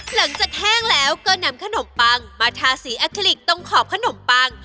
แห้งแล้วก็นำขนมปังมาทาสีแอคลิกตรงขอบขนมปัง